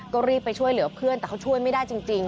ก็รีบไปช่วยเหลือเพื่อนแต่เขาช่วยไม่ได้จริง